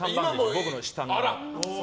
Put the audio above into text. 僕の下に。